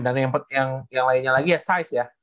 dan yang lainnya lagi ya size ya